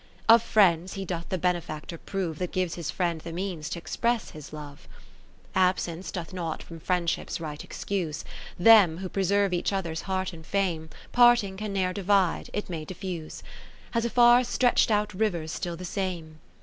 Of friends he doth the benefactor prove, That gives his friend the means t' express his love. XIV Absence doth not from Friendship's right excuse : Them who preserve each other's heart and fame, 80 Parting can ne'er divide, it may diffuse ; As a far stretch'd out river 's still the same.